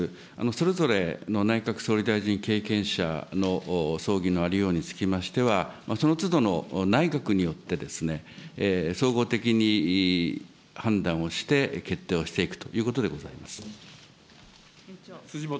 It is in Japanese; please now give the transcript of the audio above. それぞれの内閣総理大臣経験者の葬儀のありようにつきましては、そのつどの内閣によって、総合的に判断をして、決定をしていくということでございます。